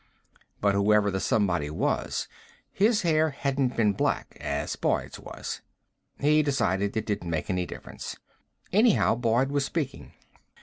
But whoever the somebody was, his hair hadn't been black, as Boyd's was He decided it didn't make any difference. Anyhow, Boyd was speaking.